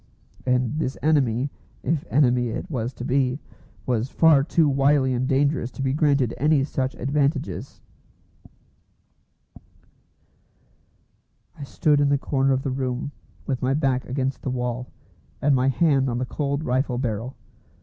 And this enemy, if enemy it was to be, was far too wily and dangerous to be granted any such advantages. I stood in the corner of the room with my back against the wall, and my hand on the cold rifle barrel.